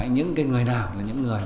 những người nào